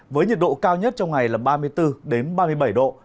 với nhiệt độ cao nhất trong ngày là ba mươi bốn ba mươi bảy độ